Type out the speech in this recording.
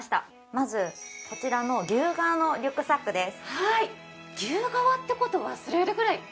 まずこちらの牛革のリュックサックです。